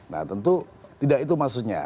nah tentu tidak itu maksudnya